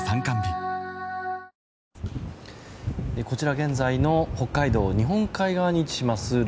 こちら現在の北海道日本海側に位置します